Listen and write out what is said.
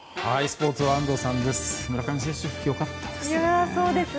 スポーツは安藤さんです。